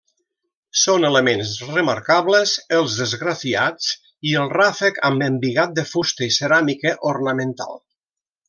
Són elements remarcables els esgrafiats i el ràfec amb embigat de fusta i ceràmica ornamental.